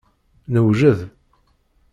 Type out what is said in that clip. Newjed.